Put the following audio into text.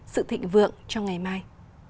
sự thịnh vượng cho ngày mai